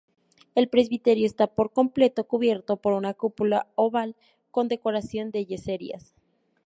El presbiterio esta por completo cubierto por una cúpula oval con decoración de yeserías.